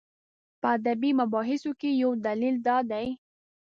په ادبي مباحثو کې یې یو دلیل دا دی.